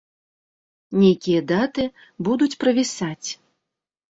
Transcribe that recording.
Нейкія даты будуць правісаць.